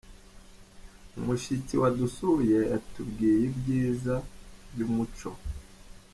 Umushyitsi wadusuye yatubwiye ibyiza byumuco.